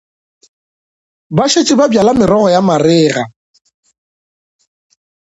Ba šetše ba bjala merogo ya marega.